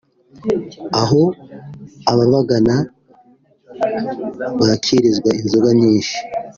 aho ababagana bakirizwa inzoga nyinshi